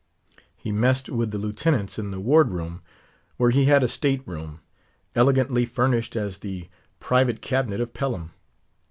He messed with the Lieutenants in the Ward room, where he had a state room, elegantly furnished as the private cabinet of Pelham.